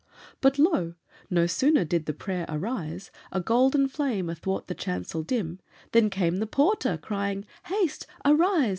But, lo! no sooner did the prayer arise, A golden flame athwart the chancel dim, Then came the porter crying, "Haste, arise!